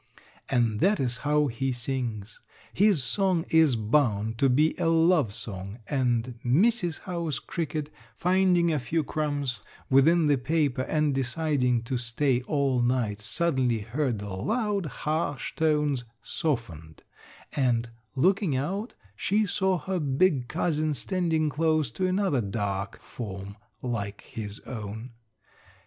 And that is how he sings. His song is bound to be a love song and Mrs. House Cricket finding a few crumbs within the paper and deciding to stay all night suddenly heard the loud, harsh tones softened and, looking out, she saw her big cousin standing close to another dark form like his own.